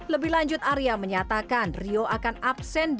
lebih lanjut arya menyatakan rio akan absen